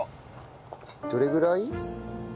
どれぐらい？